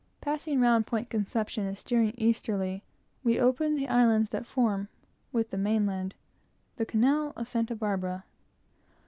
Passing round Point Conception, and steering easterly, we opened the islands that form, with the main land, the canal of Santa Barbara.